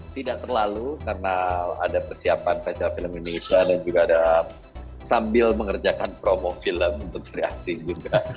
tidak terlalu karena ada persiapan festival film indonesia dan juga ada sambil mengerjakan promo film untuk sri asing juga